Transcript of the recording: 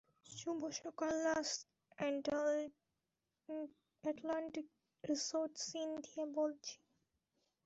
শুভ সকাল, Lux Atlantic resort, Cynthia বলছি।